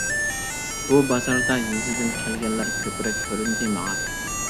بۇ بازاردا يېزىدىن كەلگەنلەر كۆپرەك كۆرۈندى ماڭا.